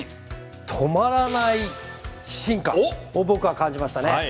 止まらない進化を僕は感じましたね。